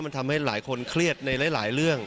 มันทำให้หลายคนเครียดในหลายเรื่อง